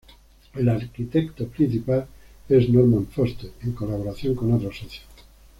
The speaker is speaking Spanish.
El arquitecto principal es Norman Foster, en colaboración con otros socios.